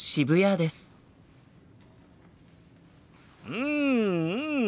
うんうん！